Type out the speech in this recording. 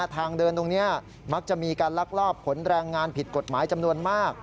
ทางเดินตรงนี้มักจะมีการลักลอบขนแรงงานผิดกฎหมายจำนวนมาก